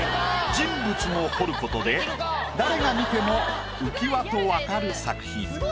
人物も彫ることで誰が見ても浮き輪とわかる作品。